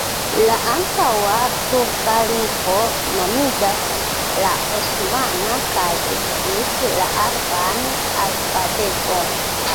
La antaŭa turka lingvo nomiĝas la osmana kaj uzis la araban alfabeton.